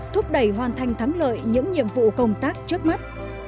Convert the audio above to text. thúc đẩy hoàn thành thắng lợi những nhiệm vụ công tác trước mắt